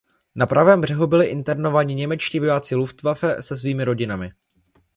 Na pravém břehu byli internováni němečtí vojáci Luftwaffe se svými rodinami.